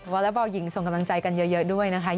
อเล็กบอลหญิงส่งกำลังใจกันเยอะด้วยนะคะ